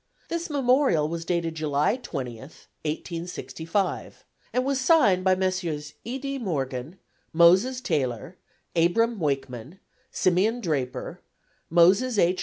This memorial was dated July 20, 1865, and was signed by Messrs. E. D. Morgan, Moses Taylor, Abram Wakeman, Simeon Draper, Moses H.